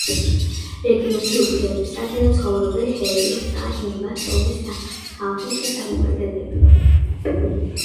რეგიონში უპირატესად ცხოვრობენ ჰერეროს და ჰიმბას ტომის ხალხის წარმომადგენლები.